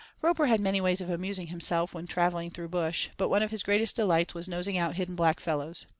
Roper had many ways of amusing himself when travelling through bush, but one of his greatest delights was nosing out hidden black fellows.